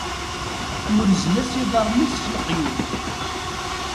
Urzen-as iḍarren-is s leqyud.